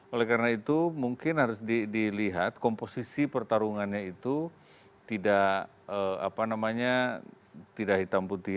oleh karena itu mungkin harus dilihat komposisi pertarungannya itu tidak hitam putih